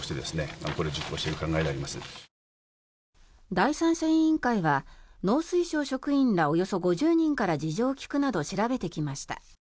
第三者委員会は農水省職員らおよそ５０人から事情を聴くなど調べてきました。